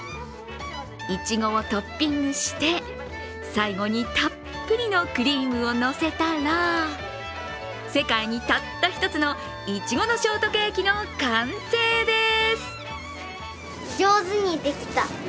いちごをトッピングして、最後にたっぷりのクリームをのせたら世界にたった一つのいちごのショートケーキの完成です。